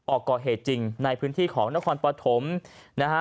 ออกก่อเหตุจริงในพื้นที่ของนครปฐมนะฮะ